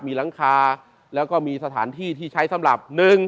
มีหลังคาแล้วก็มีสถานที่ที่ใช้สำหรับ